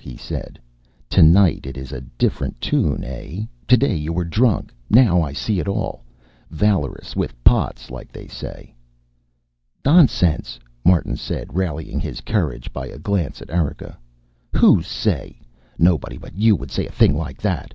he said. "Tonight it is a different tune, eh? Today you were drunk. Now I see it all. Valorous with pots, like they say." "Nonsense," Martin said, rallying his courage by a glance at Erika. "Who say? Nobody but you would say a thing like that.